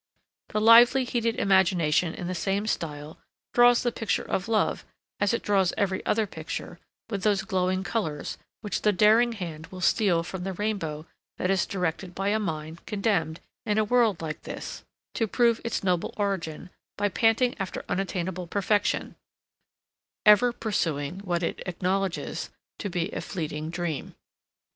The lively heated imagination in the same style, draws the picture of love, as it draws every other picture, with those glowing colours, which the daring hand will steal from the rainbow that is directed by a mind, condemned, in a world like this, to prove its noble origin, by panting after unattainable perfection; ever pursuing what it acknowledges to be a fleeting dream.